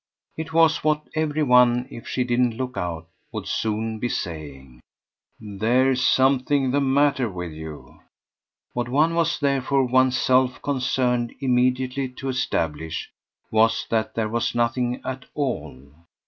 It was what every one, if she didn't look out, would soon be saying "There's something the matter with you!" What one was therefore one's self concerned immediately to establish was that there was nothing at all.